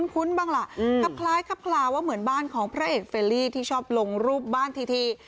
คุ้นบ้างล่ะครับคล้ายครับคลาว่าเหมือนบ้านของพระเอกเฟรลี่ที่ชอบลงรูปบ้านที